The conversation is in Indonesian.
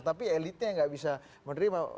tapi elitnya nggak bisa menerima